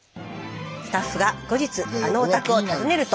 スタッフが後日あのお宅を訪ねると。